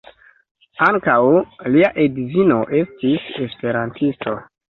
Ankaŭ lia edzino estis esperantisto.